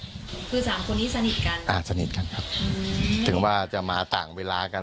คือสามคนนี้สนิทกันอ่าสนิทกันครับถึงว่าจะมาต่างเวลากัน